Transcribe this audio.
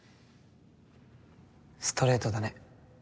ストレートだね。